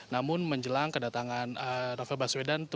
namun menjelang kedatangan novel baswedan